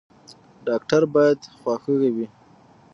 ډاکټر باید خواخوږی وي